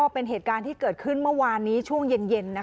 เป็นเหตุการณ์ที่เกิดขึ้นเมื่อวานนี้ช่วงเย็น